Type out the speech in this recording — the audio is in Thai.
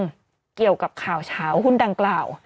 เกี่ยวกับข่าวเฉาหุ้นดังกล่าว